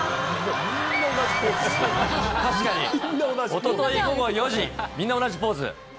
おととい午後４時、みんな同じポーズ。